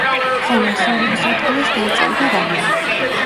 ხოლო ასეულების ადგილას დაიწერება რა?